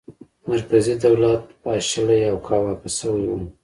مرکزي دولت پاشلی او کاواکه شوی و.